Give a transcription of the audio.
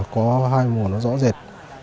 có hai mùa nó rõ rệt